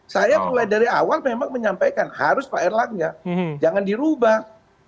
saya mulai dari awal memang menyampaikan harus pak erlangga jangan dirubah